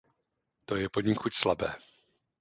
To je poněkud slabé.